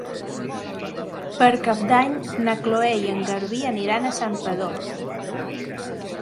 Per Cap d'Any na Cloè i en Garbí aniran a Santpedor.